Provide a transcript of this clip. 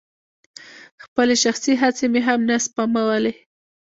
خپلې شخصي هڅې مې هم نه سپمولې.